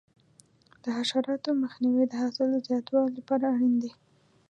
د حشراتو مخنیوی د حاصل د زیاتوالي لپاره اړین دی.